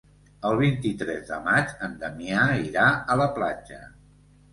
El vint-i-tres de maig en Damià irà a la platja.